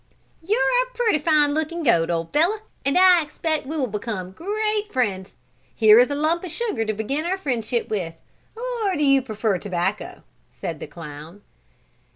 "You are a pretty fine looking goat, old fellow, and I expect we will become great friends. Here is a lump of sugar to begin our friendship with, or do you prefer tobacco?" said the clown.